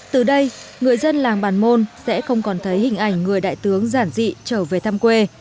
từ đây người dân làng bàn môn sẽ không còn thấy hình ảnh người đại tướng giản dị trở về thăm quê